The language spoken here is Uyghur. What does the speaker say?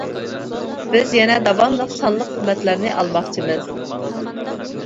بىز يەنە داۋاملىق سانلىق قىممەتلەرنى ئالماقچىمىز.